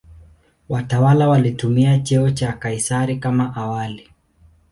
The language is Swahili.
Watawala walitumia cheo cha "Kaisari" kama awali.